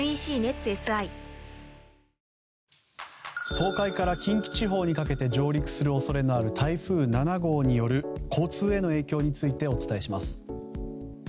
東海から近畿地方にかけて上陸する恐れのある台風７号による交通への影響についてお伝えします。